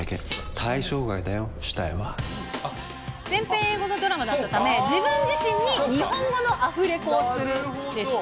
対象外だよ、全編英語のドラマだったため、自分自身に日本語のアフレコをするでした。